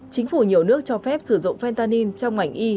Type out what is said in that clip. chính phủ nhiều nước cho phép sử dụng fentanyl trong ảnh y